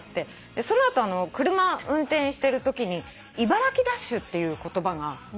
その後車運転してるときに「茨城ダッシュ」っていう言葉がどうやらあるらしいの。